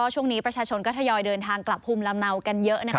ช่วงนี้ประชาชนก็ทยอยเดินทางกลับภูมิลำเนากันเยอะนะคะ